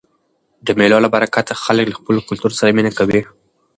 د مېلو له برکته خلک له خپل کلتور سره مینه کوي.